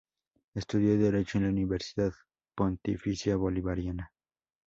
Estudió Derecho en la Universidad Pontificia Bolivariana.